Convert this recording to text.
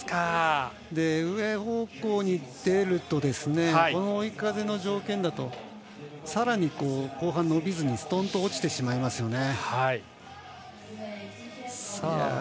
上方向に出るとこの追い風の条件だとさらに後半伸びずにすとんと落ちてしまいますよね。